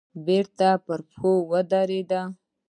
بېرته پر پښو ودرېد.